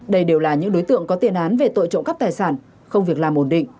đây đều là những đối tượng có tiền án về tội trộm cắp tài sản không việc làm ổn định